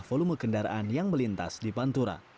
volume kendaraan yang melintas di pantura